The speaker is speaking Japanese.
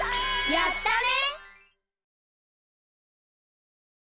やったね！